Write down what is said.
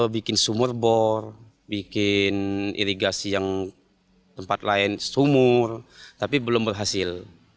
bikin sumur bor bikin irigasi yang tempat lain sumur tapi belum berhasil